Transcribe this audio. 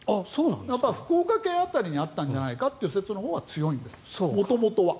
やっぱり福岡県辺りにあったんじゃないかという説のほうが強いんです、元々は。